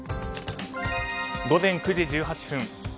午前９時１８分。